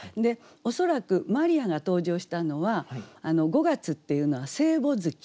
恐らくマリアが登場したのは５月っていうのは聖母月。